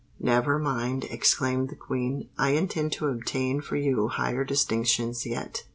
"Never mind," exclaimed the Queen. "I intend to obtain for you higher distinctions yet.